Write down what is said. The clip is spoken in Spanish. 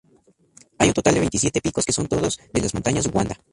Hay un total de veintisiete picos que son todos de las Montañas Wanda.